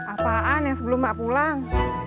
apaan yang sebelum mbak pulang